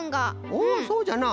おそうじゃな。